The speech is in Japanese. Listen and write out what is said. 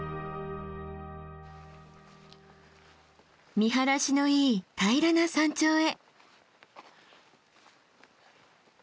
見晴らしのいい平らな山頂へ。